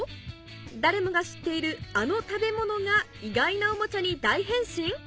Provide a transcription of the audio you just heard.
誰もが知っているあの食べ物が意外なおもちゃに大変身？